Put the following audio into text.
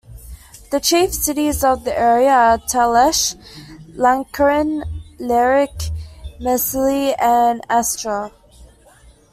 The chief cities of the area are Talesh, Lankaran, Lerik, Masally and Astara.